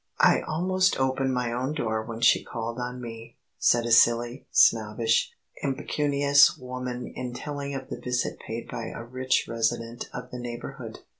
"I almost opened my own door when she called on me," said a silly, snobbish, impecunious woman in telling of the visit paid her by a rich resident of the neighborhood.